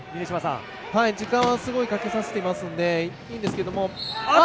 時間はすごいかけさせているので、いいです。